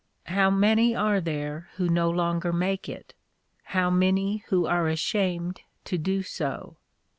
How many are there who no longer make it? How many who are ashamed to do so?